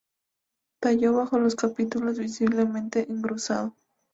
Tallo bajo los capítulos visiblemente engrosado.